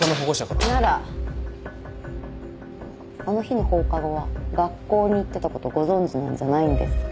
ならあの日の放課後は学校に行ってたことご存じなんじゃないんですか？